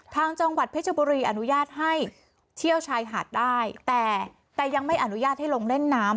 ทางจังหวัดเพชรบุรีอนุญาตให้เที่ยวชายหาดได้แต่แต่ยังไม่อนุญาตให้ลงเล่นน้ำ